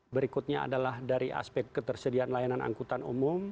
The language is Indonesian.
berikutnya adalah dari aspek ketersediaan layanan angkutan umum